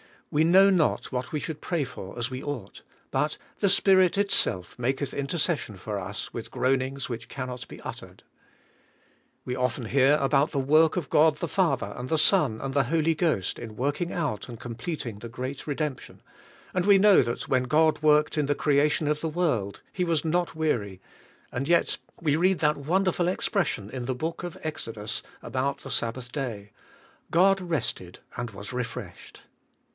"We know not what we should pray for as we ought;" 160 THE SO UR CE OF PO WER IN PR A YER but '4he Spirit itself maketh intercession for us with groanings which cannot be uttered." We often hear about the work of God the Father and the Son and the Hol}^ Ghost in working out and com pleting the great redemption, and we know that when God worked in the creation of the world, He was not weary, and yet we read that won derful expression in the book of Exodus about the Sabbath day, ''God rested and was refreshed."